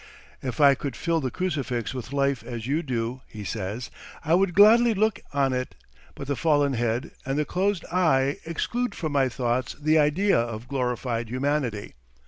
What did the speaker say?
"If I could fill the Crucifix with life as you do," he says, "I would gladly look on it, but the fallen Head and the closed Eye exclude from my thought the idea of glorified humanity.